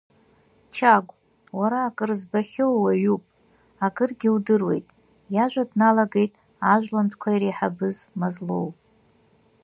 Чагә, уара акыр збахьоу уаҩуп, акыргьы удыруеит, иажәа дналагеит ажәлантәқәа иреиҳабыз Мазлоу.